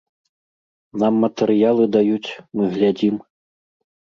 Нам матэрыялы даюць, мы глядзім.